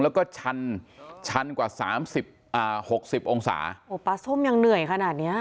แล้วก็ชันชันกว่าสามสิบอ่าหกสิบองศาโอ้โหปลาส้มยังเหนื่อยขนาดเนี้ย